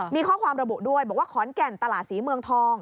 มีข้อความระบุด้วยบอกว่าขอนแก่นตลาดศรีเมืองทอง